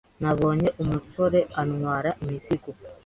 Nabonye umusore antwara imizigo.